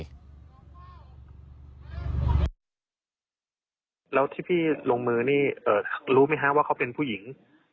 แล้วที่พี่ลงมือนี่รู้ไหมฮะว่าเขาเป็นผู้หญิง